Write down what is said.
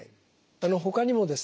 ほかにもですね